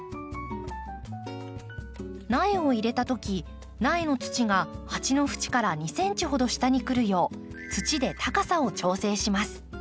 苗を入れた時苗の土が鉢の縁から２ｃｍほど下にくるよう土で高さを調整します。